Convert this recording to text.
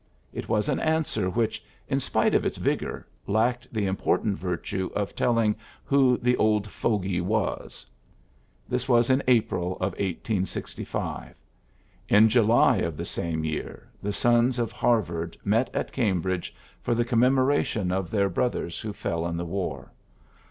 It was an answer which, in spite of its vigor, lacked the important virtue of teUing who the ''old fogy" was. This was in April of 1865. In July of the same year the sons of Harvard met at Cambridge for the commemora tion of their brothers who fell in the war.